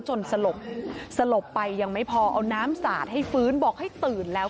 สลบสลบไปยังไม่พอเอาน้ำสาดให้ฟื้นบอกให้ตื่นแล้ว